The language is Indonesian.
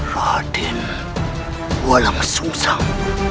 raden walang susang